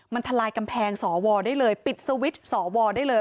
มันทลายกำแพงสวได้เลยปิดสวิตช์สวได้เลย